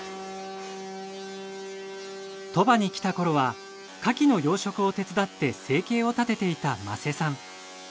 鳥羽に来たころはカキの養殖を手伝って生計を立てていた間瀬さん。